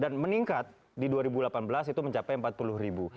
dan meningkat di dua ribu delapan belas itu mencapai empat puluh ribu